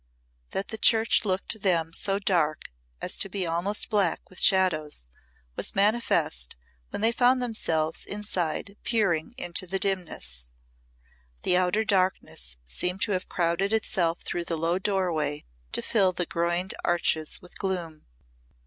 That the church looked to them so dark as to be almost black with shadows was manifest when they found themselves inside peering into the dimness. The outer darkness seemed to have crowded itself through the low doorway to fill the groined arches with gloom.